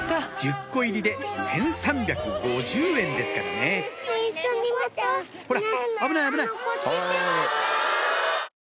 １０個入りで１３５０円ですからねほら！